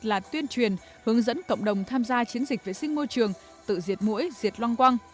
là tuyên truyền hướng dẫn cộng đồng tham gia chiến dịch vệ sinh môi trường tự diệt mũi diệt loang quang